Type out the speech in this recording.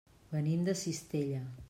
Venim de Cistella.